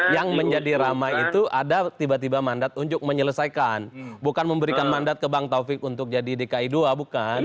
yang menjadi ramai itu ada tiba tiba mandat untuk menyelesaikan bukan memberikan mandat ke bang taufik untuk jadi dki dua bukan